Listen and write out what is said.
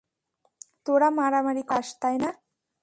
তোরা মারামারি করতে চাস, তাই না?